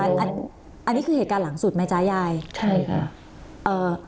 อันนี้คือเหตุการณ์หลังสุดไหมจ๊ะยายใช่ค่ะเอ่อ